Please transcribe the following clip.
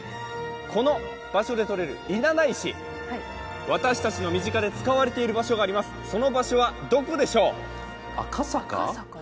この場所で採れる稲田石、私たちの身近で使われている場所があります、その場所はどこでしょう？